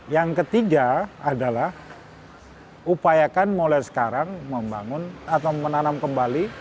yang ketiga adalah upayakan mulai sekarang membangun atau menanam kembali